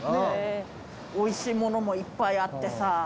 おいしいものもいっぱいあってさ。